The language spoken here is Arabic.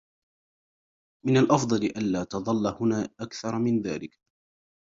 من الأفضل ألا تظل هنا أكثر من ذلك.